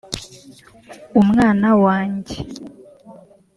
umwana wanjye